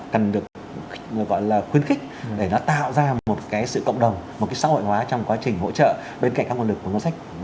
cần được gọi là khuyến khích để nó tạo ra một cái sự cộng đồng một cái xã hội hóa trong quá trình hỗ trợ bên cạnh các nguồn lực của ngân sách